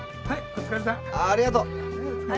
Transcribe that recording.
はい。